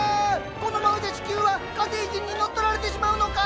このままじゃ地球は火星人に乗っ取られてしまうのか！